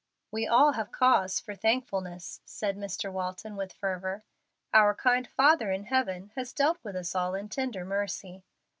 "We all have cause for thankfulness," said Mr. Walton, with fervor. "Our kind Father in heaven has dealt with us all in tender mercy.